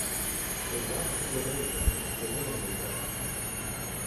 They lost to Romania in the preliminary round.